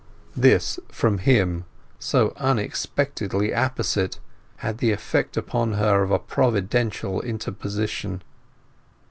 This, from him, so unexpectedly apposite, had the effect upon her of a Providential interposition.